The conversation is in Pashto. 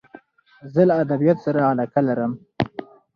زه له ادبیاتو سره علاقه لرم.